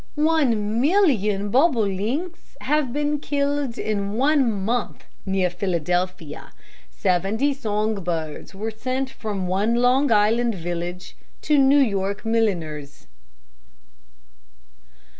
One million bobolinks have been killed in one month near Philadelphia. Seventy song birds were sent from one Long Island village to New York milliners.